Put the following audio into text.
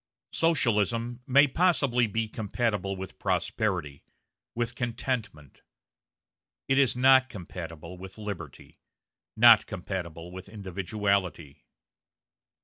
Socialism may possibly be compatible with prosperity, with contentment; it is not compatible with liberty, not compatible with individuality.